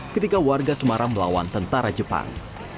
ketika warga semarang melawan tentara jepang